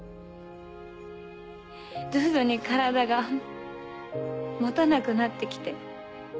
徐々に体が持たなくなって来て。